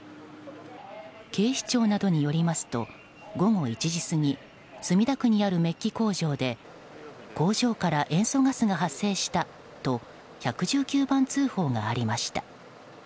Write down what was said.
警視庁などによりますと午後１時過ぎ墨田区にあるメッキ工場で工場から塩素ガスが発生したと１１９番通報がありました。